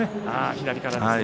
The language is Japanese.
左からですね。